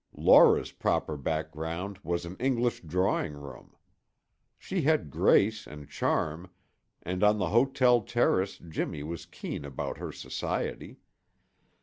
Laura's proper background was an English drawing room. She had grace and charm, and on the hotel terrace Jimmy was keen about her society.